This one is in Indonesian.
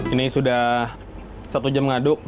ini sudah satu jam mengaduk